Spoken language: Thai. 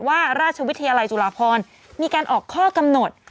ว่าราชวิทยาลัยจุฬาพรมีการออกข้อกำหนด